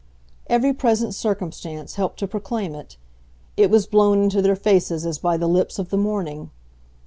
Every present circumstance helped to proclaim it; it was blown into their faces as by the lips of the morning.